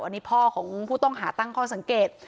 อันนี้พ่อของผู้ต้องหาตั้งข้อสังเกต